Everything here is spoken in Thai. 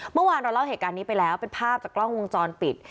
เมื่อวานเราเล่าเหตุการณ์นี้ไปแล้วเป็นภาพจากกล้องวงจรปิด